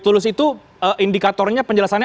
tulus itu indikatornya penjelasannya